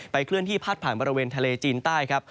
เคลื่อนที่พาดผ่านบริเวณทะเลจีนใต้ครับ